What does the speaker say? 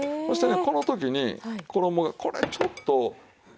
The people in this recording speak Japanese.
そしてねこの時に衣がこれちょっと。